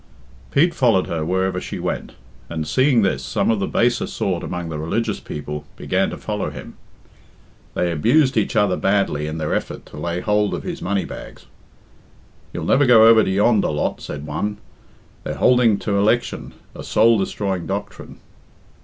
Pete followed her wherever she went, and, seeing this, some of the baser sort among the religious people began to follow him. They abused each other badly in their efforts to lay hold of his money bags. "You'll never go over to yonder lot," said one. "They're holding to election a soul destroying doctrine."